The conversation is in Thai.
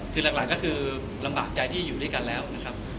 คือหลักก็คือลำบากใจที่อยู่ด้วยกันแล้วนะครับ